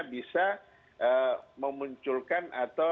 bisa memunculkan atau menyebabkan